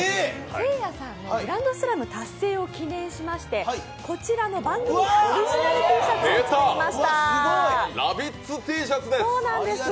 せいやさんのグランドスラム達成を記念しまして、こちらの番組オリジナルＴシャツを作りました。